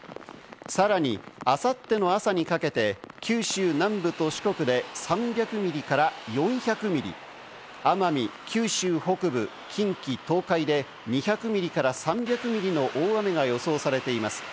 さらにあさっての朝にかけて、九州南部と四国で３００ミリから４００ミリ、奄美、九州北部、近畿、東海で２００ミリから３００ミリの大雨が予想されています。